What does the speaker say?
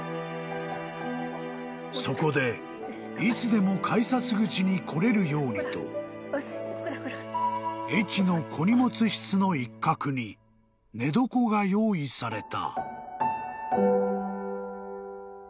［そこでいつでも改札口に来れるようにと駅の小荷物室の一角に寝床が用意された］